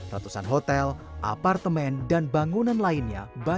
ratusan hotel apartemen dan bangunan lainnya